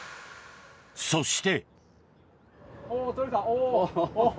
そして。